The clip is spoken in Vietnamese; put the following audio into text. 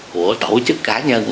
của tổ chức cá nhân